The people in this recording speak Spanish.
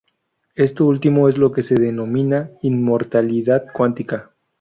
Esto último es lo que se denomina inmortalidad cuántica.